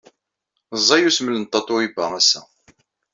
Ẓẓay usmel n Tatoeba ass-a.